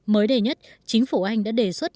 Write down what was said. mới đây nhất chính phủ anh đã đề xuất